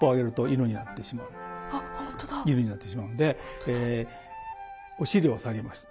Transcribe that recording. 犬になってしまうんでお尻を下げます